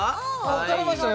分かれましたね